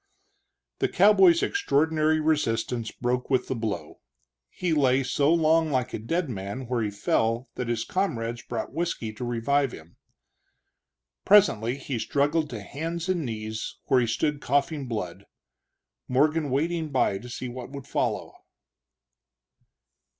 The cowboy's extraordinary resistance broke with the blow; he lay so long like a dead man where he fell that his comrades brought whisky to revive him. Presently he struggled to hands and knees, where he stood coughing blood, Morgan waiting by to see what would follow.